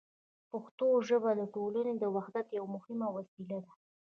پښتو ژبه د ټولنې د وحدت یوه مهمه وسیله ده.